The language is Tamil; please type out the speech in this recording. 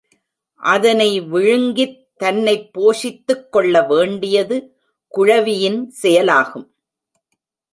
அதனை விழுங்கித் தன்னைப் போஷித்துக் கொள்ள வேண்டியது குழவியின் செயலாகும்.